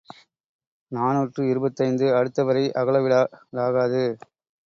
நாநூற்று இருபத்தைந்து அடுத்தவரை அகல விடலாகாது.